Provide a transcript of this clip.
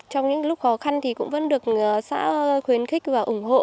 trong những lúc khó khăn thì cũng vẫn được xã khuyến khích và ủng hộ